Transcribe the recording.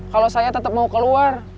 kalau saya tetap mau keluar